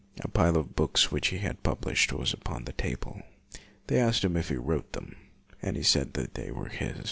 A pile of books which he had published was upon the table. They asked him if he wrote them, and he said that they were his.